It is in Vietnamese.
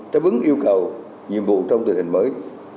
đáp ứng yêu cầu nhiệm vụ trong tình hình mới